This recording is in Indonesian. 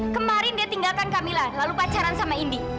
kemarin dia tinggalkan camilla lalu pacaran sama indi